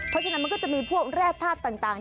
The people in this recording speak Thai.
เพราะฉะนั้นมันก็จะมีพวกแร่ธาตุต่าง